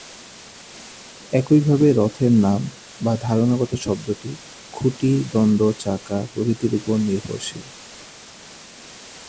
একইভাবে ‘রথের’ নাম বা ধারণাগত শব্দটি খুঁটি, দন্ড, চাকা প্রভৃতির উপর নির্ভরশীল।